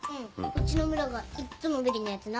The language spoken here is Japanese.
うちの村がいっつもビリのやつな。